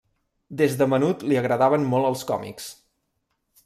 Des de menut li agradaven molt els còmics.